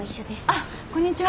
あっこんにちは。